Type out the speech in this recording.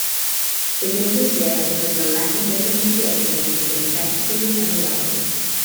The guilt is there because of a lack of differentiation between phantasy and reality.